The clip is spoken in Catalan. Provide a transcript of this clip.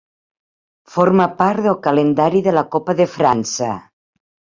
Forma part del calendari de la Copa de França.